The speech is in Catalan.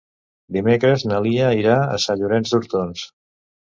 Dimecres na Lia irà a Sant Llorenç d'Hortons.